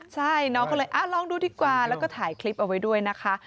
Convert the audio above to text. ใช่น้องก็เลยลองดูดีกว่าแล้วก็ถ่ายคลิปเอาไว้ด้วยนะคะ